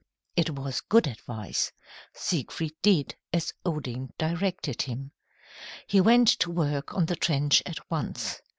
It was good advice. Siegfried did as Odin directed him. He went to work on the trench at once.